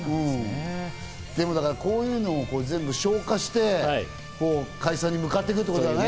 でもこういうのを全部消化して、解散に向かっていくってことだね。